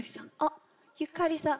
ゆかりさん。